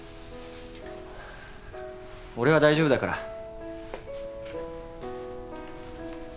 俺は大丈夫だから。